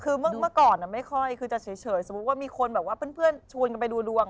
คือเมื่อก่อนไม่ค่อยคือจะเฉยสมมุติว่ามีคนแบบว่าเพื่อนชวนกันไปดูดวง